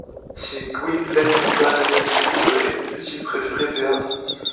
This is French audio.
Si Gwynplaine n’eût pas été défiguré, eût-il préféré Dea?